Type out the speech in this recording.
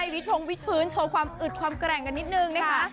วิทย์พงวิทพื้นโชว์ความอึดความแกร่งกันนิดนึงนะคะ